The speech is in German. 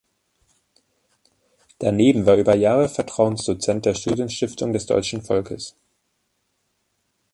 Daneben war über Jahre Vertrauensdozent der Studienstiftung des deutschen Volkes.